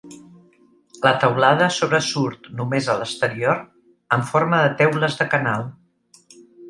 La teulada sobresurt només a l'exterior en forma de teules de canal.